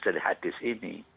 dari hadis ini